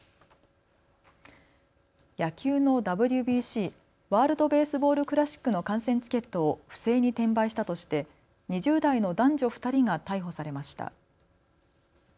野球のＷＢＣ・ワールド・ベースボール・クラシックの観戦チケットを不正に転売したとして２０代の男女２人が逮捕されました。